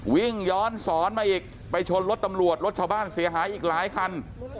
วิ่งย้อนสอนมาอีกไปชนรถตำรวจรถชาวบ้านเสียหายอีกหลายคัน